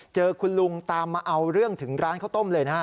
เจอคุณลุงตามมาเอาเรื่องถึงร้านข้าวต้มเลยนะฮะ